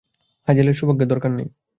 হ্যাজেলের সৌভাগ্য দরকার নেই।